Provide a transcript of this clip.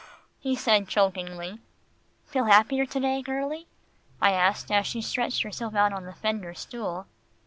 he said chokingly. "Feel any happier to day, girlie?" I asked as she stretched herself out on the fender stool.